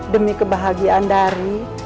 demi kebahagiaan dari